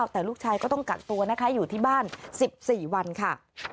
แต่ลูกชายก็ต้องกักตัวนะคะอยู่ที่บ้าน๑๔วันค่ะ